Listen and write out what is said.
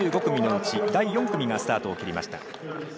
１５組のうち第４組がスタートを切りました。